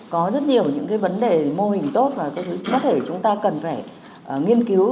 có rất nhiều những cái vấn đề mô hình tốt và có thể chúng ta cần phải nghiên cứu